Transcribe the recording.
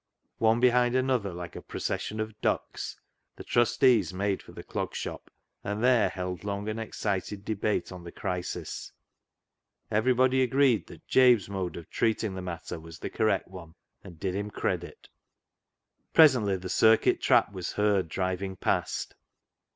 One behind another, like a procession of ducks, the Trustees made for the Clog Shop, and there held long and excited debate on the crisis. Everybody agreed that Jabe's mode of "THE ZEAL OF THINE HOUSE" 283 treating the matter was the correct one, and did him credit. Presently the circuit trap was heard driving past.